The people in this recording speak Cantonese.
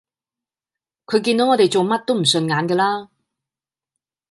佢見到我哋做乜佢都唔順眼架啦